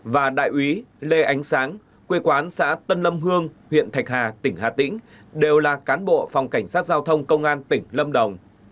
và đại úy lê ánh sáng quê quán xã tân lâm hương huyện thạch hà tỉnh hà tĩnh đều là cán bộ phòng cảnh sát giao thông công an tỉnh lâm đồng